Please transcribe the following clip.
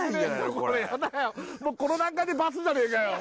これもうこの段階で罰じゃねえかよ